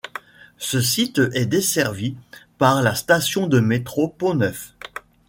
Ce site est desservi par la station de métro Pont-Neuf.